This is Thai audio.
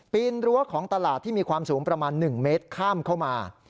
รั้วของตลาดที่มีความสูงประมาณ๑เมตรข้ามเข้ามา